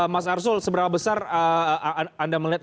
mas arsul seberapa besar anda melihat